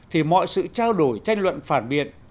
thì mọi sự trao đổi tranh luận phản biệt